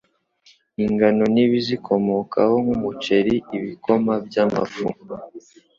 ingano n'ibizikomokaho, nk' umuceri ibikoma by'amafu